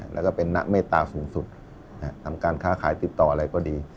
แล้วก็เป็นนักเมตตาสูงสุดทำการค้าขายติดต่ออะไรก็ดี